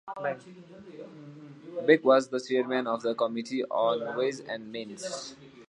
Beck was the chairman of the Committee on Ways and Means.